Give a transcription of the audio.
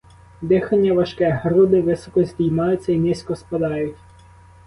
Дихання важке, груди високо здіймаються й низько спадають.